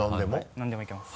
何でもいけます。